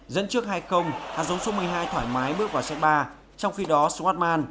dẫn trước hai hạt giống số một mươi hai thoải mái bước vào sách ba trong khi đó swartman